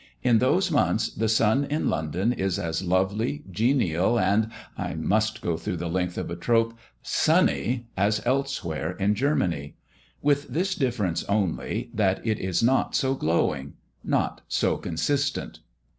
In those months, the sun in London is as lovely, genial, and I must go the length of a trope sunny as anywhere in Germany; with this difference only, that it is not so glowing not so consistent.